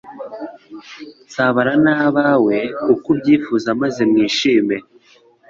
sabana nabawe uko ubyifuza maze mwishime